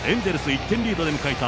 １点リードで迎えた